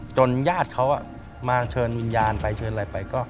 ญาติเขามาเชิญวิญญาณไปเชิญอะไรไปก็